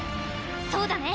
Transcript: そうだね！